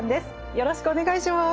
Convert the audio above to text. よろしくお願いします。